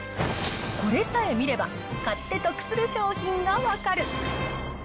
これさえ見れば、買って得する商品が分かる。